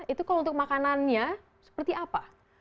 itu kalau untuk makanannya seperti apa